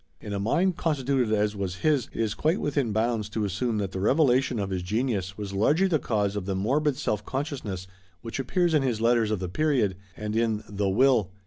In a mind constituted as was his, it is quite within bounds to assume that the revelation of his genius was largely the cause of the morbid self consciousness which appears in his letters of the period, and in the "Will."